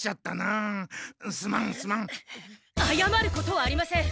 あやまることはありません。